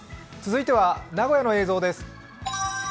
続いては名古屋の映像です。